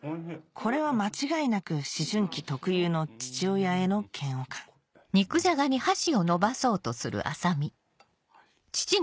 これは間違いなく思春期特有の父親への嫌悪感うん！